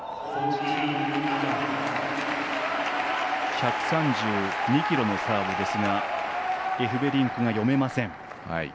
１３２キロのサーブですがエフベリンクが読めません。